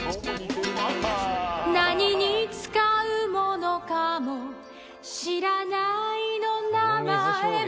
「なにに使うものかも知らないの名前も」